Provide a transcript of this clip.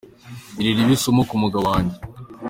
Iri ribe isomo ku mugabo wanjye.